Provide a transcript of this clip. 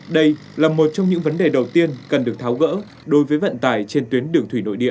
đây là một trong những vấn đề đầu tiên cần được tháo gỡ đối với vận tải trên tuyến đường thủy nội địa